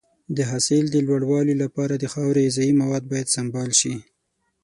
د حاصل د لوړوالي لپاره د خاورې غذایي مواد باید سمبال شي.